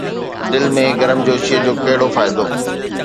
دل ۾ گرمجوشيءَ جو ڪهڙو فائدو؟